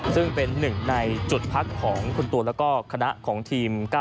ซึ่งเป็นหนึ่งในจุดพักของคุณตูนแล้วก็คณะของทีม๙๙